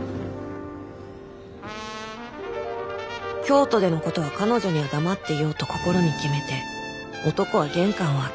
「京都でのことは彼女には黙っていようと心に決めて男は玄関を開けた」。